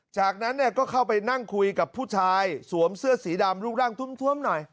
จากนั้นเนี่ยก็เข้าไปนั่งคุยกับผู้ชายสวมเสื้อสีดำรูปร่างทุ่มหน่อย